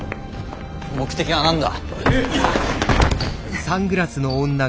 目的は何だ？